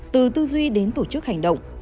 từ tư duy đến tổ chức hành động